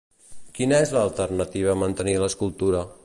Quina és l'alternativa a mantenir l'escultura?